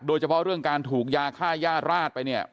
โดยเฉพาะเรื่องการถูกยาฆ่าย่าราดไปเนี่ย